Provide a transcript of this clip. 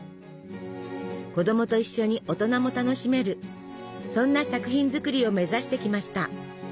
子供と一緒に大人も楽しめるそんな作品作りを目指してきました。